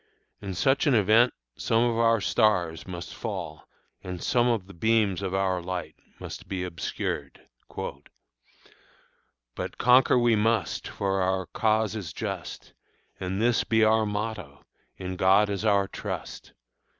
In such an event some of our stars must fall and some of the beams of our light must be obscured. "But conquer we must, for our cause it is just, And this be our motto, 'In God is our trust.'